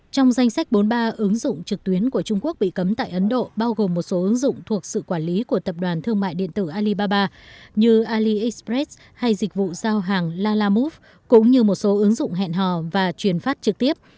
trong danh sách bốn mươi ba ứng dụng trực tuyến của trung quốc bị cấm tại ấn độ bao gồm một số ứng dụng thuộc sự quản lý của tập đoàn thương mại điện tử alibaba như aliexpress hay dịch vụ giao hàng lalamoov cũng như một số ứng dụng hẹn hò và truyền phát trực tiếp